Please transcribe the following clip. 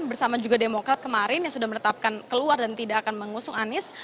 bersama juga demokrat kemarin yang sudah menetapkan keluar dan tidak akan mengusung anies